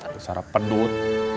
susah rapet dud